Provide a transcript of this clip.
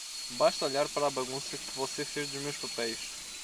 Basta olhar para a bagunça que você fez dos meus papéis.